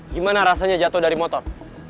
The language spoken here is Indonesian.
gimana rasanya jatuh dari motor